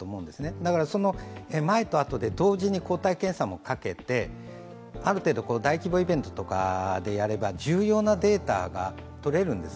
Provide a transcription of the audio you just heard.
だから、前と後で同時に抗体検査もかけてある程度大規模イベントとかでやれば重要なデータが取れるんです。